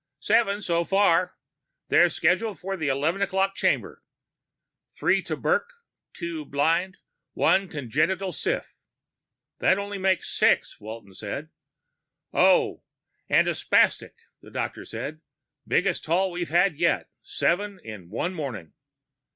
"Seven so far. They're scheduled for the 1100 chamber. Three tuberc, two blind, one congenital syph." "That only makes six," Walton said. "Oh, and a spastic," the doctor said. "Biggest haul we've had yet. Seven in one morning."